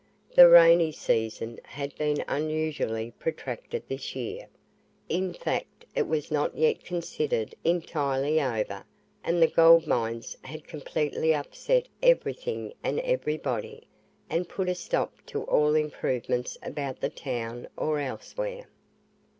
The rainy season had been unusually protracted this year, in fact it was not yet considered entirely over, and the gold mines had completely upset everything and everybody, and put a stop to all improvements about the town or elsewhere.